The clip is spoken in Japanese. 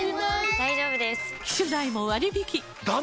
大丈夫です！